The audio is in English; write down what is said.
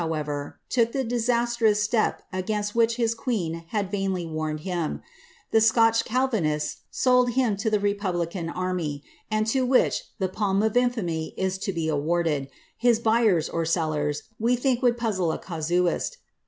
however, took the disastrous step against which lis queen had vainly warned him ; the Scotch calvinists sold him to the lepablican army \ and to which the palm of infamy is to be awarded, lis buyers or sellers, we think would puzzle a casuist.